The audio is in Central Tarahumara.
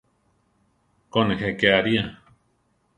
Ko, nejé ké aria!